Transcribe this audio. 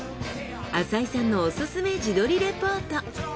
朝井さんのオススメ自撮りレポート。